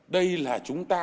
đây là chúng ta